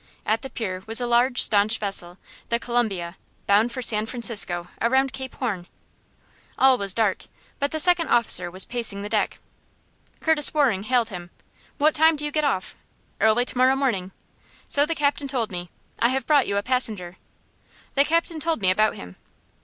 At the pier was a large, stanch vessel the Columbia bound for San Francisco, around Cape Horn. All was dark, but the second officer was pacing the deck. Curtis Waring hailed him. "What time do you get off?" "Early to morrow morning." "So the captain told me. I have brought you a passenger." "The captain told me about him."